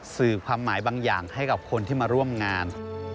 สื่อความหมายบางอย่างให้กับคนที่มาร่วมงาน